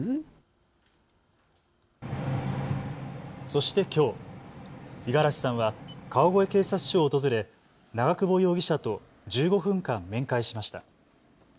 そしてきょう、五十嵐さんは川越警察署を訪れ長久保容疑者と１５分間面会しました。